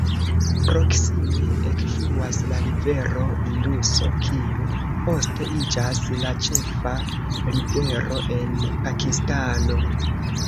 Proksime ekfluas la rivero Induso kiu poste iĝas la ĉefa rivero en Pakistano.